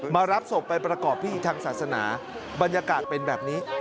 รับศพไปประกอบพิธีทางศาสนาบรรยากาศเป็นแบบนี้